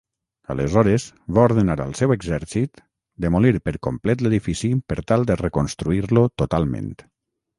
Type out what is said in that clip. Aleshores va ordenar al seu exèrcit demolir per complet l'edifici per tal de reconstruir-lo totalment.